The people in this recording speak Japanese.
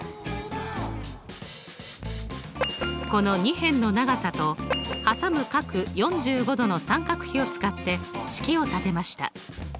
この２辺の長さとはさむ角４５°の三角比を使って式を立てました。